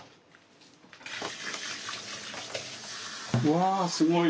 わあすごい。